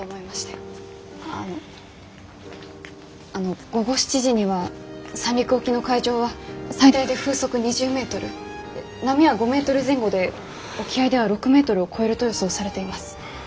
あの午後７時には三陸沖の海上は最大で風速２０メートル波は５メートル前後で沖合では６メートルを超えると予想されています。